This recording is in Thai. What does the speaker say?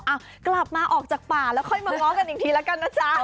กลับมาออกจากป่าแล้วค่อยมาง้อกันอีกทีแล้วกันนะจ๊ะ